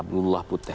di sengketa dki